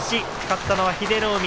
勝ったのは英乃海。